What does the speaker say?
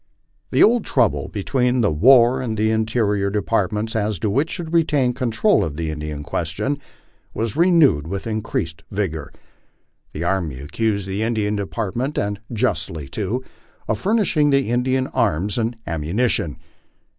The old trouble between the War and Interior Departments, as to which should retain control of the Indian question, was renewed with incrensed vigor. The Army accused the Indian Department, and justly too, of furnishing the Indians arms and ammunition.